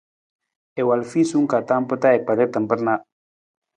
I wal fiisung ka tam pa i kpar i tamar na.